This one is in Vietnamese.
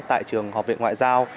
tại trường học viện ngoại giao